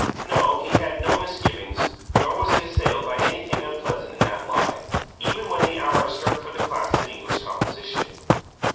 No; he had no misgivings, nor was he assailed by anything unpleasant in that line, even when the hour struck for the class in English composition.